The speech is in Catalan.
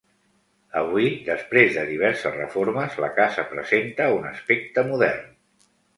Avui, després de diverses reformes, la casa presenta un aspecte modern.